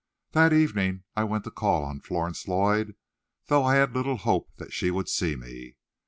That evening I went to call on Florence Lloyd, though I had little hope that she would see me.